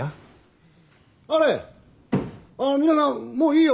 あれっ皆さんもういいよ。